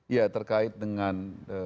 ya terkait dengan